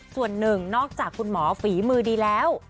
ส่วนหนึ่งนอกจากคุณหมอฝีมือดีแล้ว